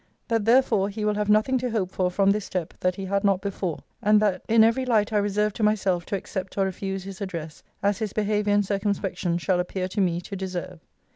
That, therefore, he will have nothing to hope for from this step that he had not before: and that in ever light I reserve to myself to accept or refuse his address, as his behaviour and circumspection shall appear to me to deserve.'